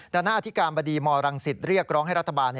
แต่หน้าอธิกรรมดีมรังสิทธิ์เรียกร้องให้รัฐบาล